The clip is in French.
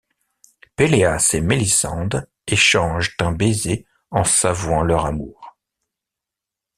Pelléas et Mélisande échangent un baiser en s'avouant leur amour.